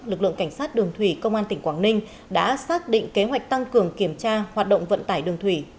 lực lượng cảnh sát đường thủy công an tỉnh quảng ninh đã xác định kế hoạch tăng cường kiểm tra hoạt động vận tải đường thủy